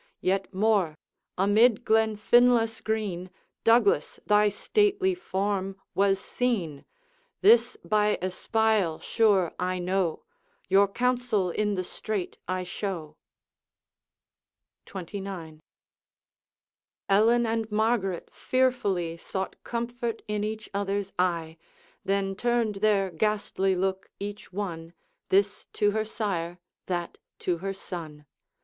Yet more; amid Glenfinlas' green, Douglas, thy stately form was seen. This by espial sure I know: Your counsel in the streight I show.' XXIX. Ellen and Margaret fearfully Sought comfort in each other's eye, Then turned their ghastly look, each one, This to her sire, that to her son.